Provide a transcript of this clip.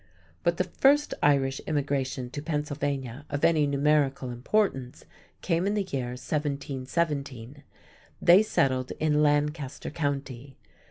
But the first Irish immigration to Pennsylvania of any numerical importance came in the year 1717. They settled in Lancaster County.